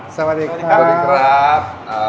สวัสดีครับ